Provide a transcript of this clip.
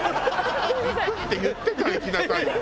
「行く」って言ってから行きなさいよ！